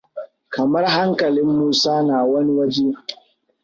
Kamar hankalin Musa na wani waje.